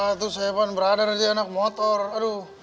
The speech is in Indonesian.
itu saya pak brother anak motor aduh